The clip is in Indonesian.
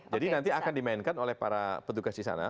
jadi nanti akan dimainkan oleh para petugas di sana